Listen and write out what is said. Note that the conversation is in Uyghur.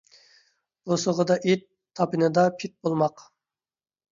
بوسۇغىسىدا ئىت، تاپىنىدا پىت بولماق